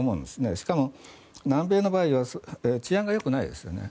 しかも南米の場合治安がよくないですよね。